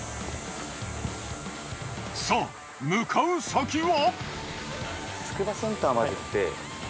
さぁ向かう先は？